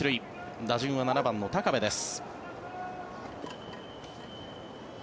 打順は７番の高部です。